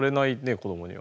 子どもには。